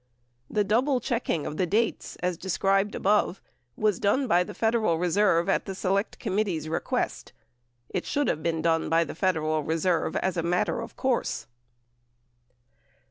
The double checking of the dates, as described above, was done by the Federal Reserve at the Select Committee's request. It should have been done by the Federal Reserve as a matter of course.